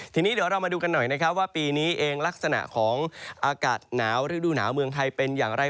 ทีนี้เดี๋ยวเรามาดูกันหน่อยนะครับว่าปีนี้เองลักษณะของอากาศหนาวฤดูหนาวเมืองไทยเป็นอย่างไร